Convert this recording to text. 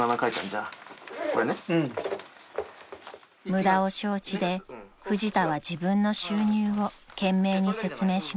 ［無駄を承知でフジタは自分の収入を懸命に説明します］